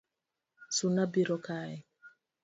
Suna biro kayi